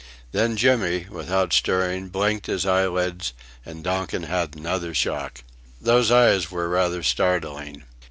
Then Jimmy, without stirring, blinked his eyelids, and Donkin had another shock. Those eyes were rather startling.